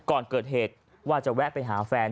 ก่อนเกิดเหตุว่าจะแวะไปหาแฟน